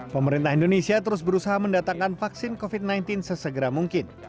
pemerintah indonesia terus berusaha mendatangkan vaksin covid sembilan belas sesegera mungkin